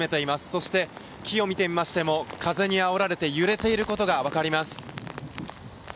そして、木を見てみましても、風にあおられて、揺れていることが分かります。